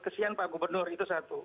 kesian pak gubernur itu satu